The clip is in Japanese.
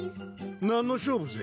何の勝負ぜ？